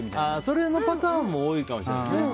それのパターン多いかもしれないね。